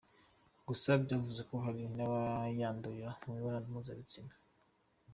Gusa byavuzwe ko hari n’abayandurira mu mibonano mpuzabitsina.